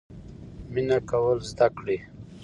مینه کول زده کړئ